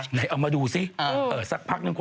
ทำไมนะคะน้อง